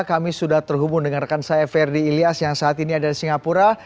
kami sudah terhubung dengan rekan saya ferdi ilyas yang saat ini ada di singapura